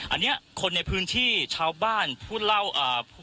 อันนี้คนในพื้นที่ชาวบ้านผู้เล่าอ่า